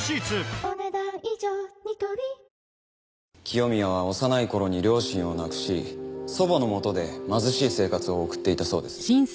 清宮は幼い頃に両親を亡くし祖母のもとで貧しい生活を送っていたそうです。